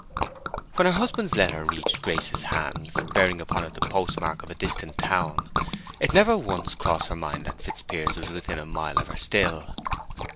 When her husband's letter reached Grace's hands, bearing upon it the postmark of a distant town, it never once crossed her mind that Fitzpiers was within a mile of her still.